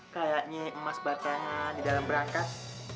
kayaknya emas batangan di dalam berangkat